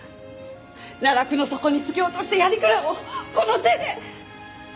奈落の底に突き落とした鑓鞍をこの手で！